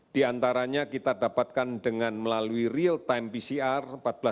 diantaranya kita dapatkan dengan melalui real time pcr